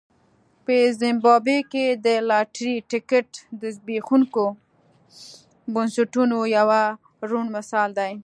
په زیمبابوې کې د لاټرۍ ټکټ د زبېښونکو بنسټونو یو روڼ مثال دی.